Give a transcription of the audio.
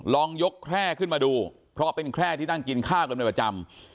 ลองยกแคร่ขึ้นมาดูเพราะเป็นแคร่ที่นั่งกินข้าวกันเป็นประจำ